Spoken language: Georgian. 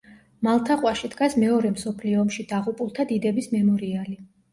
მალთაყვაში დგას მეორე მსოფლიო ომში დაღუპულთა დიდების მემორიალი.